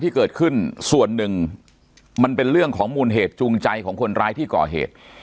ที่เกิดขึ้นส่วนหนึ่งมันเป็นเรื่องของมูลเหตุจูงใจของคนร้ายที่ก่อเหตุ